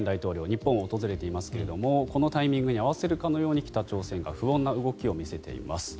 日本を訪れていますけどこのタイミングに合わせるかのように北朝鮮が不穏な動きを見せています。